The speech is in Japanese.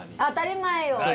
当たり前よ。